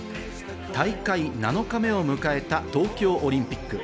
大会７日目を迎えた東京オリンピック。